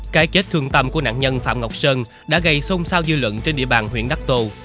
cái chết thương tâm của nạn nhân phạm ngọc sơn đã gây sông sao dư luận trên địa bàn huyện đắk tô